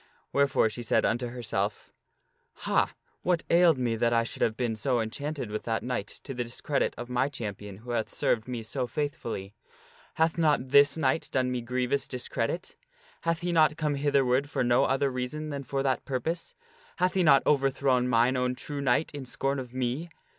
Wherefore she said unto herself :" Hah ! what ailed me that I should have been so enchanted with that knight to the discredit of my champion who hath served me so faithfully? Hath not this knight done me grievous discredit? Hath he not come hitherward for no other reason than for that purpose ? Hath he not overthrown mine own true knight in scorn of me